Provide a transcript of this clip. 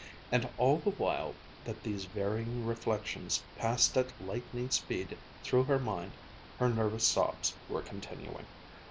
And all the while that these varying reflections passed at lightning speed through her mind, her nervous sobs were continuing.